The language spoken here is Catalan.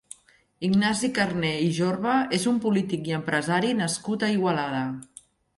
Ignasi Carner i Jorba és un polític i empresari nascut a Igualada.